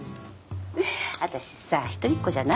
私さ一人っ子じゃない？